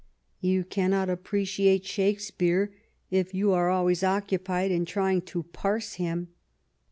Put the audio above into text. You cannot appreciate Shakespeare if you are always occupied in trying to parse him.